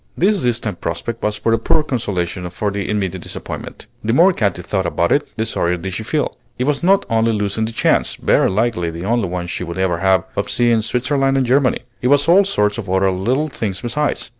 This distant prospect was but a poor consolation for the immediate disappointment. The more Katy thought about it the sorrier did she feel. It was not only losing the chance very likely the only one she would ever have of seeing Switzerland and Germany; it was all sorts of other little things besides.